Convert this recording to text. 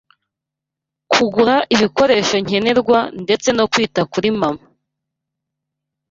kugura ibikoresho nkenerwa ndetse no kwita kuri mama